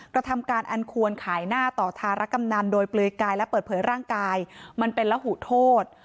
กระทำการอันควรขายหน้าต่อธารกำนันโดยเปลือยกายและเปิดเผยร่างกายมันเป็นระหูโทษ